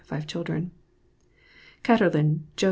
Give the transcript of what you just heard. Y; five children. CATTERLIN JOS.